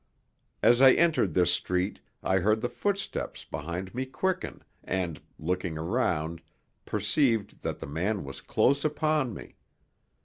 As I entered this street I heard the footsteps behind me quicken and, looking around, perceived that the man was close upon me.